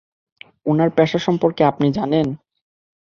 উনার পেশা সম্পর্কে আপনি জানেন?